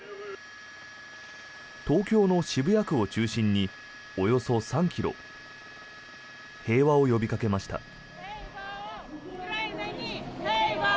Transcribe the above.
東京の渋谷区を中心におよそ３ｋｍ平和を呼びかけました。